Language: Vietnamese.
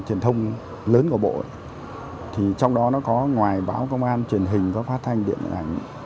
truyền thông lớn của bộ trong đó có ngoài báo công an truyền hình phát thanh điện ảnh